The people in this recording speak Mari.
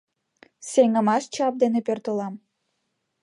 Сеҥымаш чап дене пӧртылам.